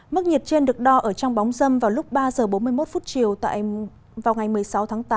mức nhiệt trên được đo ở trong bóng dâm vào lúc ba h bốn mươi một phút chiều vào ngày một mươi sáu tháng tám